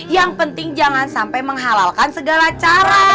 yang penting jangan sampai menghalalkan segala cara